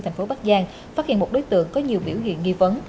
thành phố bắc giang phát hiện một đối tượng có nhiều biểu hiện nghi vấn